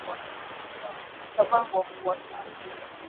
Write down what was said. Nitavaa nguo kubwa sana